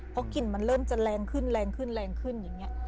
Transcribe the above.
เพราะกลิ่นลำมันเริ่มจะแรงขึ้นอย่างนี้